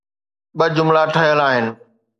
ٻه جملا ٺهيل آهن.